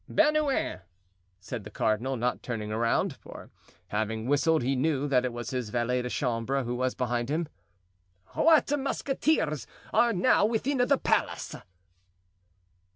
"Bernouin," said the cardinal, not turning round, for having whistled, he knew that it was his valet de chambre who was behind him; "what musketeers are now within the palace?"